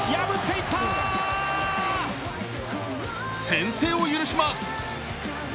先制を許します。